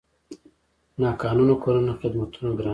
ناقانونه کورونه خدمتونه ګرانوي.